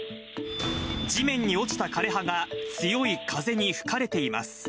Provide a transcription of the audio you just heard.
地面に落ちた枯れ葉が、強い風に吹かれています。